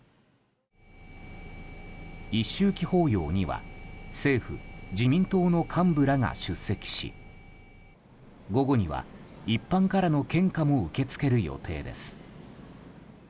一周忌法要には政府・自民党の幹部らが出席し午後には一般からの献花も受け付ける予定です。